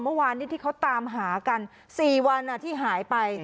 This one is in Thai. เมื่อวานนี้ที่เขาตามหากัน๔วันที่หายไป